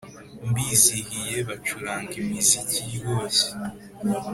Mbizihiye bacuranga imiziki iryoshye